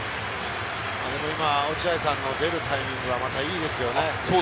今、落合さんの出るタイミングがまたいいですよね。